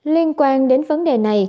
liên quan đến vấn đề này